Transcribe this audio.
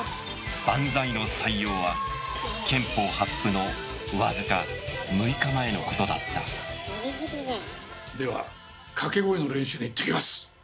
「バンザイ」の採用は憲法発布のわずか６日前のことだったでは掛け声の練習に行ってきます！